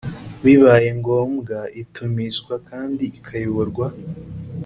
bibaye ngombwa itumizwa kandi ikayoborwa